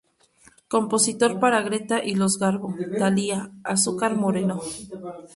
Compositor para Greta y los Garbo, Thalía, Azúcar Moreno.